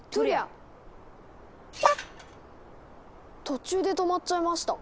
途中で止まっちゃいました。